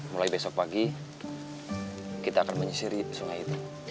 mulai besok pagi kita akan menyisiri sungai itu